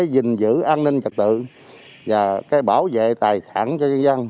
dình giữ an ninh trật tự và bảo vệ tài sản cho dân dân